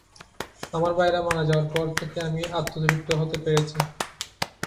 আমার ভাইয়েরা মারা যাওয়ার পর থেকে আমি আত্মতৃপ্ত হতে পেরেছি।